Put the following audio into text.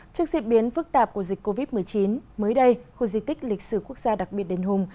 trước diễn biến phức tạp của dịch covid một mươi chín mới đây khu di tích lịch sử quốc gia đặc biệt đền hùng